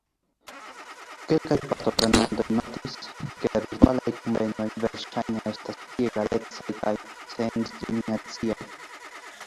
Kelkaj partoprenantoj notis, ke la virtualaj kunvenoj verŝajne estas pli egalecaj kaj sen-diskriminaciaj.